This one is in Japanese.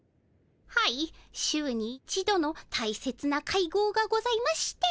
はい週に一度のたいせつな会合がございまして。